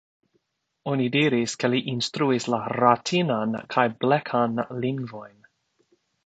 Oni diris ke li instruis la Ratinan kaj Blekan lingvojn.